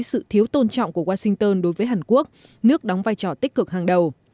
sự thiếu tôn trọng của washington đối với hàn quốc nước đóng vai trò tích cực hàng đầu